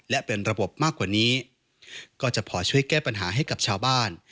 และเป็นระบบมากกว่านี้ก็จะพอช่วยแก้ปัญหาให้กับชาวบ้าน